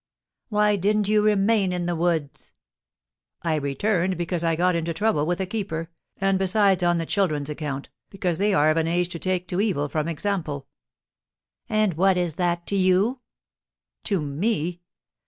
"Why didn't you remain in the woods?" "I returned because I got into trouble with a keeper, and besides on the children's account, because they are of an age to take to evil from example." "And what is that to you?" "To me?